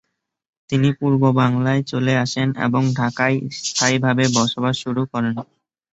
তিনি পূর্ব বাংলায় চলে আসেন এবং ঢাকায় স্থায়ীভাবে বসবাস শুরু করেন।